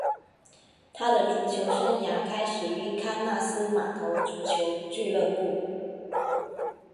他的足球生涯开始于康纳斯码头足球俱乐部。